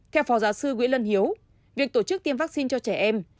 theo phó giáo sư nguyễn lân hiếu việc tổ chức tiêm vắc xin cho trẻ em